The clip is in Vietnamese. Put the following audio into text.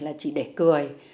là chỉ để cười